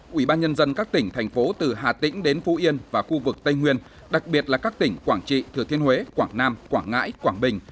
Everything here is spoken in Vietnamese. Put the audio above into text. quỹ ban nhân dân các tỉnh thành phố từ hà tĩnh đến phú yên và khu vực tây nguyên đặc biệt là các tỉnh quảng trị thừa thiên huế quảng nam quảng ngãi quảng bình